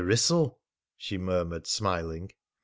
Wrissell!" she murmured, smiling.